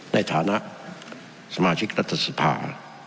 ในฐานะสมาชิกรัฐสภา